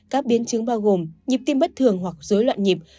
các biến chứng bao gồm nhịp tim bất thường hoặc dối loạn nhịp